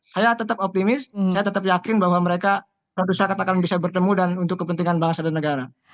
saya tetap optimis saya tetap yakin bahwa mereka akan bisa bertemu dan untuk kepentingan bangsa dan negara